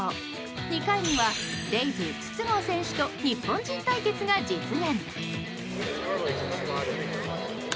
２回にはレイズ、筒香選手と日本人対決が実現。